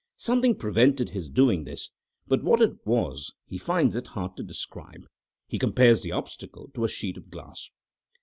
Something prevented his doing this, but what it was he finds it hard to describe. He compares the obstacle to a sheet of glass.